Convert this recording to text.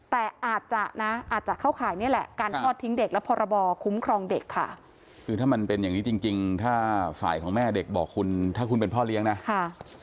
พ่อเลี้ยงของแม่เด็กบอกคุณถ้าคุณเป็นพ่อเลี้ยงนะ